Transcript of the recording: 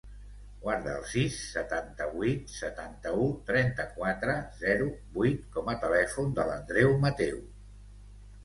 Guarda el sis, setanta-vuit, setanta-u, trenta-quatre, zero, vuit com a telèfon de l'Andreu Mateu.